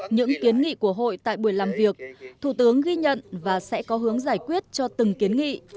những kiến nghị của hội tại buổi làm việc thủ tướng ghi nhận và sẽ có hướng giải quyết cho từng kiến nghị